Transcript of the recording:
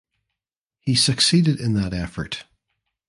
He succeeded in that effort.